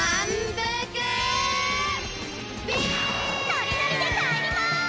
ノリノリでかえります！